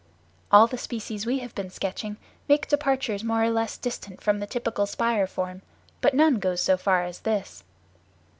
All the species we have been sketching make departures more or less distant from the typical spire form, but none goes so far as this.